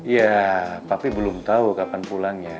ya tapi belum tahu kapan pulangnya